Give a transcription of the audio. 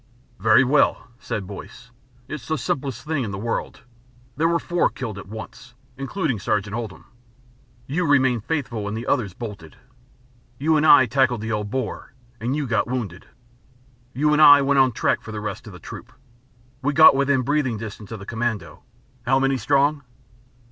"Very well," said Boyce. "It's the simplest thing in the world. There were four killed at once, including Sergeant Oldham. You remained faithful when the others bolted. You and I tackled the old Boer and you got wounded. You and I went on trek for the rest of the troop. We got within breathing distance of the Commando how many strong?"